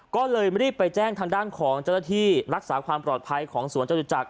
ก็เลยรีบไปแจ้งทางด้านของเจ้าหน้าที่รักษาความปลอดภัยของสวนจตุจักร